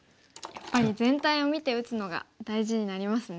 やっぱり全体を見て打つのが大事になりますね。